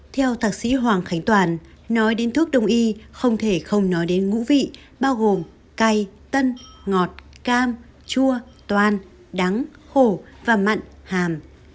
theo thạc sĩ hoàng khánh toàn nói đến thuốc đông y không thể không nói đến ngũ vị bao gồm cay tân ngọt cam chua toan đắng khổ và mặn hàm